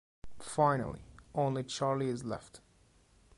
Finally, only Charlie is left.